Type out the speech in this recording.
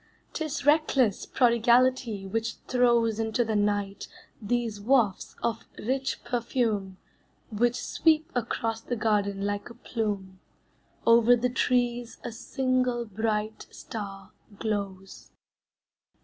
'T is reckless prodigality which throws Into the night these wafts of rich perfume Which sweep across the garden like a plume. Over the trees a single bright star glows.